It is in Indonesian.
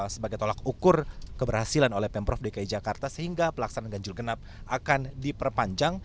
sebagai tolak ukur keberhasilan oleh pemprov dki jakarta sehingga pelaksanaan ganjil genap akan diperpanjang